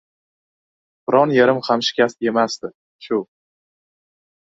Biron yerim ham shikast yemasdi! Shu!